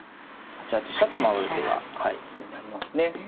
８八飛車と回る手が常にありますね。